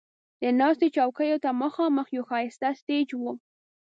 د ناستې چوکیو ته مخامخ یو ښایسته سټیج و.